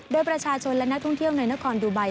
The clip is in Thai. โดยประชาชนและนักท่องเที่ยวในนครดูไบ